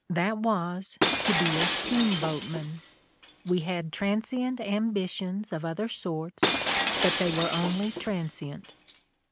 That was, to be a steamboatman. We had transient ambitions of other sorts, but they were only transient."